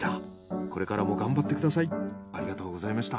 これからも頑張ってください。